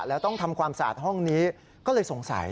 แล้วต้องทำความสะอาดห้องนี้ก็เลยสงสัย